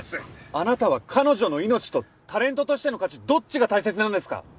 あなたは彼女の命とタレントとしての価値どっちが大切なんですか？